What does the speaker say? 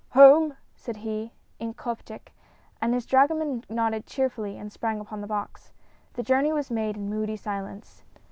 "Home!" said he, in Coptic, and his dragoman nodded cheerfully and sprang upon the box. The journey was made in moody silence.